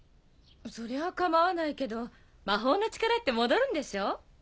そりゃかまわないけど魔法の力って戻るんでしょ？